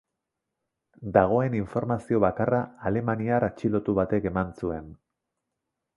Dagoen informazio bakarra alemaniar atxilotu batek eman zuen.